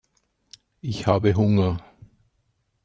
Ich habe Hunger.